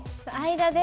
間で。